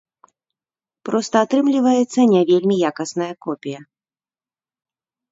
Проста атрымліваецца не вельмі якасная копія.